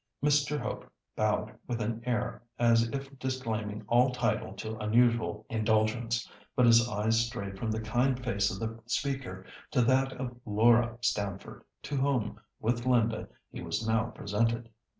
Mr. Hope bowed with an air as if disclaiming all title to unusual indulgence, but his eyes strayed from the kind face of the speaker to that of Laura Stamford, to whom, with Linda, he was now presented.